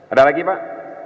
ada lagi pak